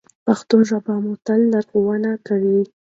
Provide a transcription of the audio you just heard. پښتو ژبه به مو تل لارښوونه کوي.